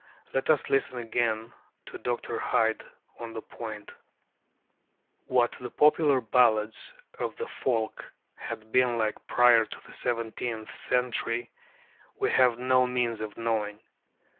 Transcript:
Let us listen again to Dr. Hyde on this point: "What the popular ballads of the folk had been like prior to the seventeenth century we have no means of knowing.